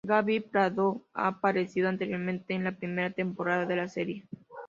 Gabi Prado ha aparecido anteriormente en la primera temporada de la serie.